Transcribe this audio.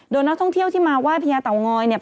โดนนักท่องเที่ยวที่มาว่าพระยาเต๋อง้อยเนี่ย